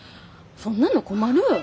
そんなの困る。